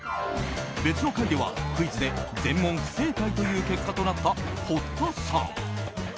別の回ではクイズで全問不正解という結果となった、堀田さん。